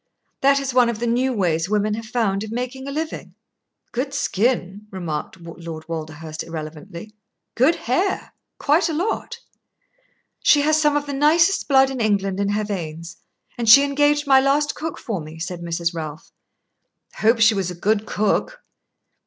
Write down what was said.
That is one of the new ways women have found of making a living." "Good skin," remarked Lord Walderhurst, irrelevantly. "Good hair quite a lot." "She has some of the nicest blood in England in her veins, and she engaged my last cook for me," said Mrs. Ralph. "Hope she was a good cook."